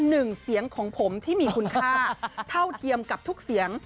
หนึ่งเสียงของผมที่มีคุณค่าเท่าเทียมกับทุกเสียง